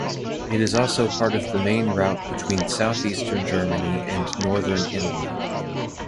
It is also part of the main route between southeastern Germany and northern Italy.